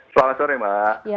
selamat sore mbak